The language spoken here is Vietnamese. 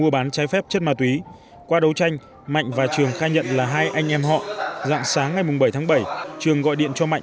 bằng các hình thức như hợp đồng góp vốn